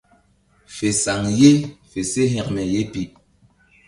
Fe saŋ ye fe se hekme ye pi.